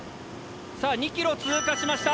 さあ２ｋｍ通過しました！